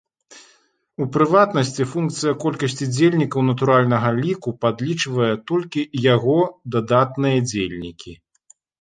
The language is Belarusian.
У прыватнасці, функцыя колькасці дзельнікаў натуральнага ліку падлічвае толькі яго дадатныя дзельнікі.